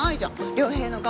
良平の顔